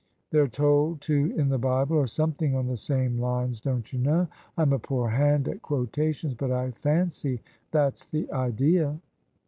They're told to in the Bible, or something on the same lines, don't you know? I'm a poor hand at quotations, but I fancy that's the idea."